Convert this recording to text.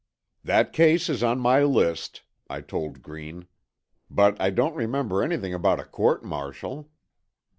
"That case is on my list," I told Green. "But I don't remember anything about a court martial."